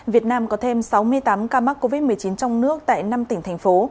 việt nam có thêm sáu mươi tám ca mắc covid một mươi chín trong nước tại năm tỉnh thành phố